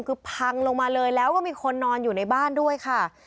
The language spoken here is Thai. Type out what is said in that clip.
คือพังลงมาเลยแล้วก็มีคนนอนอยู่ในบ้านด้วยค่ะ